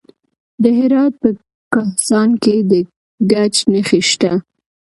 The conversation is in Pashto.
د هرات په کهسان کې د ګچ نښې شته.